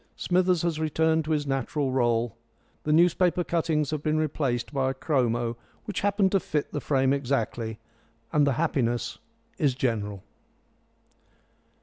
Smithers has returned to his natural rôle. The newspaper cuttings have been replaced by a chromo which happened to fit the frame exactly, and the happiness is general.